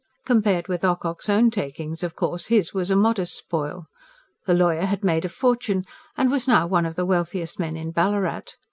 Compared with Ocock's own takings, of course, his was a modest spoil; the lawyer had made a fortune, and was now one of the wealthiest men in Ballarat.